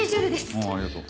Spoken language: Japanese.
ああありがとう。